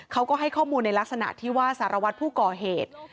เขาก็ให้ข้อมูลในลักษณะที่ว่าสารวัตรผู้ก่อเหตุ